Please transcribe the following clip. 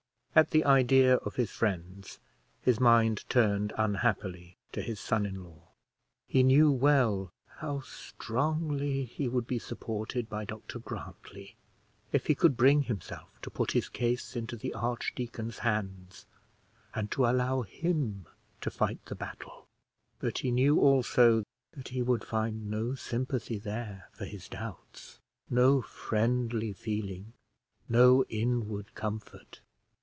At the idea of his friends, his mind turned unhappily to his son in law. He knew well how strongly he would be supported by Dr Grantly, if he could bring himself to put his case into the archdeacon's hands and to allow him to fight the battle; but he knew also that he would find no sympathy there for his doubts, no friendly feeling, no inward comfort.